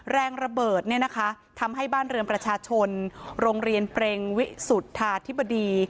แรงระเบิดเนี่ยนะคะทำให้บ้านเรือนประชาชนโรงเรียนเปรงวิสุทธาธิบดี